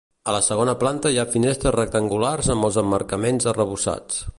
A la segona planta hi ha finestres rectangulars amb els emmarcaments arrebossats.